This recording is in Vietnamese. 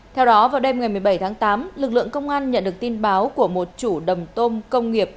theo đó vào đêm ngày một mươi bảy tháng tám lực lượng công an nhận được tin báo của một chủ đầm tôm công nghiệp